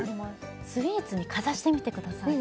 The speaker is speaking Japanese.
スイーツにかざしてみてください